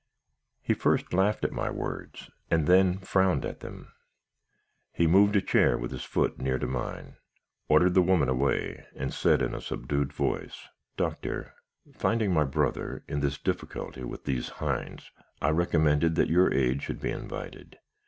"He first laughed at my words, and then frowned at them. He moved a chair with his foot near to mine, ordered the woman away, and said in a subdued voice, "'Doctor, finding my brother in this difficulty with these hinds, I recommended that your aid should be invited.